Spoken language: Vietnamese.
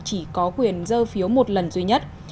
chỉ có quyền dơ phiếu một lần duy nhất